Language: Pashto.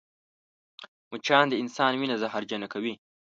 مچان د انسان وینه زهرجنه کوي